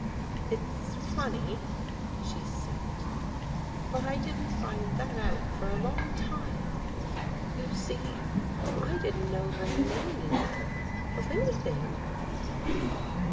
" It's funny," she said, " but I didn't find that out for a long time. You see I didn't know the name of anything."